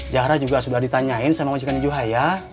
jahara juga sudah ditanyain sama majikan juhaia